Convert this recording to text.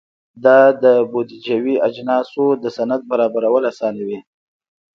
دا د بودیجوي اجناسو د سند برابرول اسانوي.